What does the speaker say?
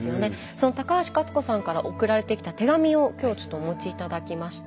その高橋勝子さんから送られてきた手紙を今日ちょっとお持ち頂きました。